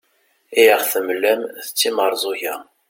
i aɣ-temlam d timerẓuga